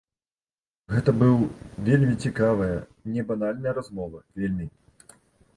Гэта быў вельмі цікавая, небанальная размова, вельмі.